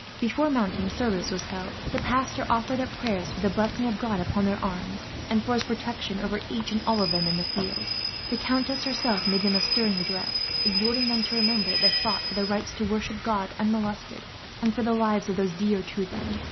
Before mounting, service was held. The pastor offered up prayers for the blessing of God upon their arms, and for his protection over each and all of them in the field. The countess herself made them a stirring address, exhorting them to remember that they fought for the right to worship God unmolested, and for the lives of those dear to them.